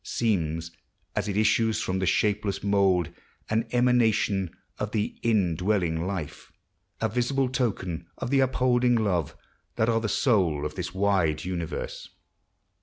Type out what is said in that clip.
Seems, as it issues from the shapeless mould. An emanation of the indwelling Life. A visible token of the upholding Love, That are the soul of this wide universe.